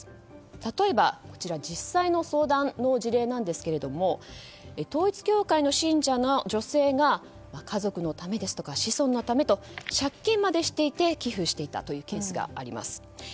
例えば実際の相談の事例なんですけども統一教会の信者の女性が家族のためですとか子孫のためと借金までして寄付していたというケースがあります。